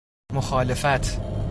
مخالفت